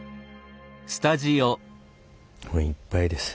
もういっぱいです。